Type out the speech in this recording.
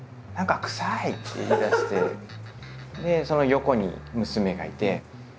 その横に娘がいて。